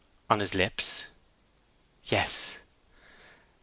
"On his lips?" "Yes."